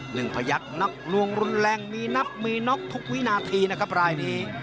หนึ่งพยักษ์นกลวงรุนแรงมีนับมีนกทุกวินาทีนะครับลายนี้